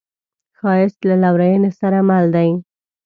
ښایست له لورینې سره مل دی